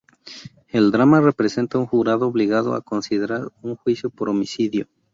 El drama representa un jurado obligado a considerar un juicio por homicidio.